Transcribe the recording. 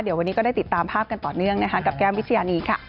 เดี๋ยววันนี้ก็ได้ติดตามภาพกันต่อเนื่องนะคะกับแก้มวิชญานีค่ะ